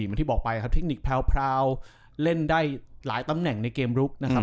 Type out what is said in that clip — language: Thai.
เหมือนที่บอกไปครับเทคนิคแพรวเล่นได้หลายตำแหน่งในเกมลุกนะครับ